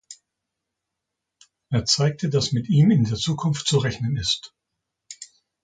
Er zeigte das mit ihm in der Zukunft zu rechnen ist.